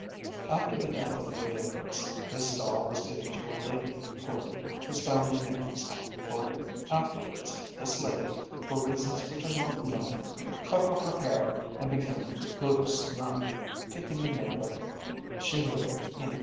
'After the death of the good Empress this doll was given to a lady of the court, whose family name is not recorded. Afterwards this lady, for reasons which are not known, cut off her hair and became a Buddhist nun taking the name of Shingyo in.